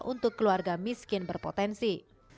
untuk keluarga miskin berpotensi